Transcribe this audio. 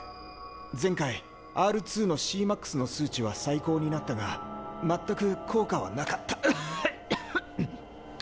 前回Ｒ２のＣｍａｘの数値は最高になったが全く効果はなかったグッフゴホッ。